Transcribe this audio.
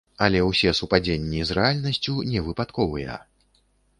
Але ўсе супадзенні з рэальнасцю невыпадковыя!